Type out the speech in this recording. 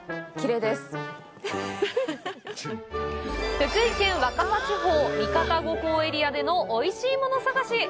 福井県若狭地方・三方五湖エリアでのおいしいもの探し。